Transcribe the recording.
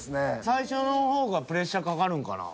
最初の方がプレッシャーかかるんかな。